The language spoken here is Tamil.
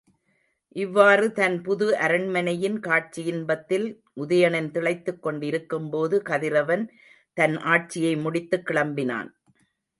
இவ்வாறு தன் புது அரண்மனையின் காட்சியின்பத்தில் உதயணன் திளைத்துக் கொண்டு இருக்கும்போது, கதிரவன் தன்ஆட்சியை முடித்துக் கிளம்பினான்.